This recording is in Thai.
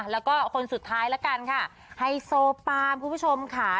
แล้วก็คนสุดท้ายละกันค่ะไฮโซปามคุณผู้ชมค่ะ